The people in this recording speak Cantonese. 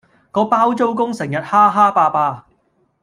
個包租公成日蝦蝦霸霸